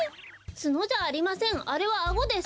ツノじゃありませんあれはアゴです。